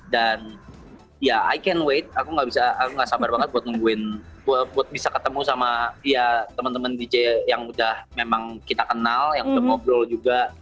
dan ya i can't wait aku gak sabar banget buat nungguin buat bisa ketemu sama ya temen temen dj yang udah memang kita kenal yang udah ngobrol juga